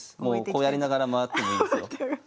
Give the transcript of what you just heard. こうやりながら回ってもいいですよ。